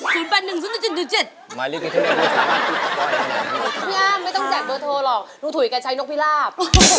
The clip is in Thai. พี่อ้ำไม่ต้องแจกเบอร์โทรหรอกลุงถุยแกใช้นกพิราบ